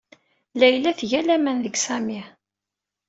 Layla tga laman deg Sami.